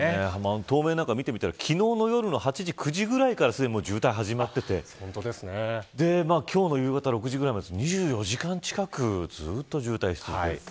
東名を見てみたら昨日の夜の８時、９時ぐらいからすでに渋滞が始まっていて今日の夕方６時ぐらいまでですから、２４時間近くずっと渋滞している。